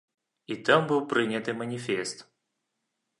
І там быў прыняты маніфест.